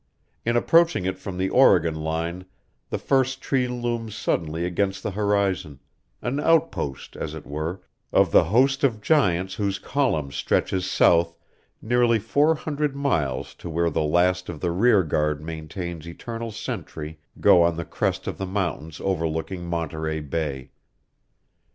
In approaching it from the Oregon line the first tree looms suddenly against the horizon an outpost, as it were, of the host of giants whose column stretches south nearly four hundred miles to where the last of the rear guard maintains eternal sentry go on the crest of the mountains overlooking Monterey Bay.